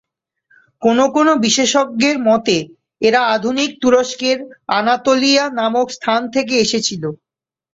কোন কোন বিশেষজ্ঞের মতে, এরা আধুনিক তুরস্কের আনাতোলিয়া নামক স্থান থেকে এসেছিল।